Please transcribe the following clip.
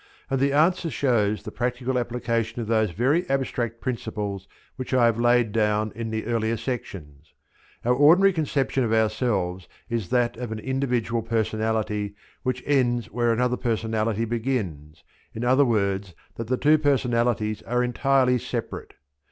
and the answer shows the practical application of those very abstract principles which I have laid down in the earlier sections. Our ordinary conception of ourselves is that of an individual personality which ends where another personality begins, in other words that the two personalities are entirely separate.